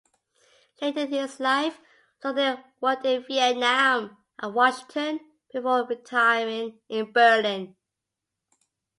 Later in his life, Lochner worked in Vietnam and Washington before retiring in Berlin.